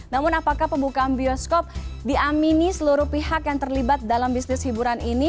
namun apakah pembukaan bioskop diamini seluruh pihak yang terlibat dalam bisnis hiburan ini